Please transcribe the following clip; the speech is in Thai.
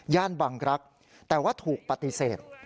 บังรักษ์แต่ว่าถูกปฏิเสธ